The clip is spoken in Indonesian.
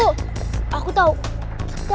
gimana caranya kita masuk ke rumah itu